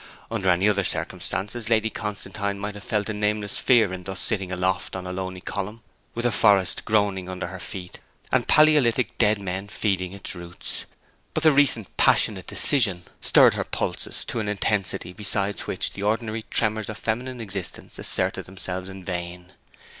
Under any other circumstances Lady Constantine might have felt a nameless fear in thus sitting aloft on a lonely column, with a forest groaning under her feet, and palaeolithic dead men feeding its roots; but the recent passionate decision stirred her pulses to an intensity beside which the ordinary tremors of feminine existence asserted themselves in vain.